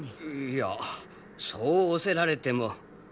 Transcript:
いやそう仰せられても。